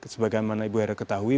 sebagai mana ibu hera ketahui